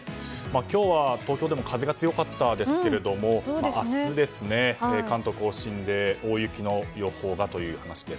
今日は東京でも風が強かったですけれども明日、関東・甲信で大雪の予報がという話です。